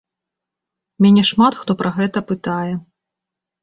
Мяне шмат хто пра гэта пытае.